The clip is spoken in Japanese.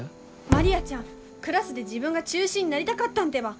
マリアちゃんクラスで自分が中心になりたかったんてば。